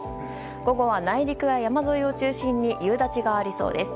午後は、内陸や山沿いを中心に夕立がありそうです。